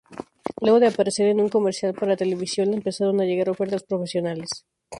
Luego de aparecer en un comercial para televisión le empezaron a llegar ofertas profesionales.